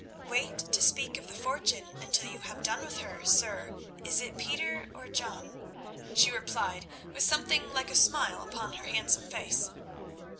"Wait to speak of the fortune until you have done with her, Sir—is it Peter, or John?" she replied, with something like a smile upon her handsome face.